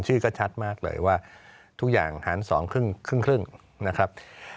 ชื่อก็ชัดมากเลยว่าทุกอย่างหาร๒ครึ่งนะครับ